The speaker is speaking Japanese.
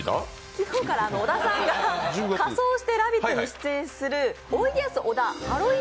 昨日から小田さんが仮装して「ラヴィット！」に出演するおいでやす小田ハロウィン